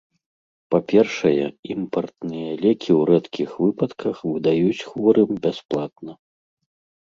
Па-першае, імпартныя лекі ў рэдкіх выпадках выдаюць хворым бясплатна.